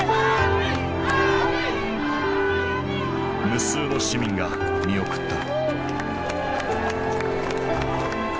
無数の市民が見送った。